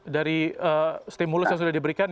dari stimulus yang sudah diberikan